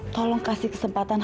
tolong kasih kesempatan